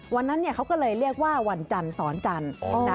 วันนั้นเขาก็เลยเรียกว่าวันจันทร์สอนจันทร์